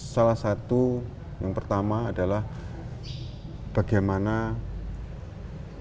salah satu yang pertama adalah bagaimana teman teman memulai